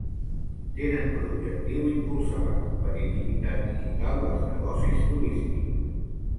Tenen per objectiu impulsar la competitivitat digital dels negocis turístics.